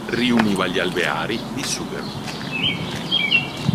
Riuniva gli alveari di sughero.